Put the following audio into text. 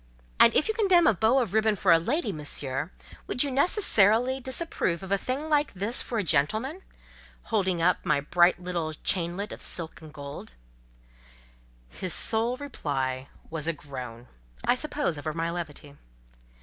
"And if you condemn a bow of ribbon for a lady, Monsieur, you would necessarily disapprove of a thing like this for a gentleman?"—holding up my bright little chainlet of silk and gold. His sole reply was a groan—I suppose over my levity.